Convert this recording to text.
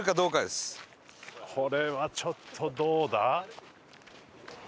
これはちょっとどうだ？